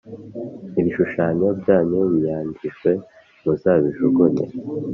ibishushanyo byanyu biyagijwe Muzabijugunye